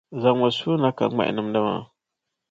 Zaŋ mi sua na ka ŋmahi nimdi maa.